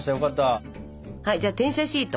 はいじゃあ転写シート。